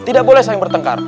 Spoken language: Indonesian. tidak boleh saling bertengkar